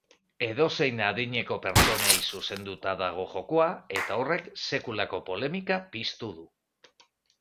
Edozein adineko pertsonei zuzenduta dago jokoa eta horrek sekulako polemika piztu du.